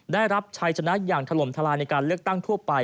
ได้รับชัยชนะอย่างถล่มทลายในการเลือกตั้งทั่วไป